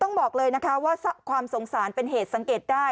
ต้องบอกเลยว่าความสงสารเป็นเหตุสังเกตได้